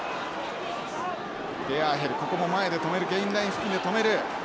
デヤーヘルここも前で止めるゲインライン付近で止める！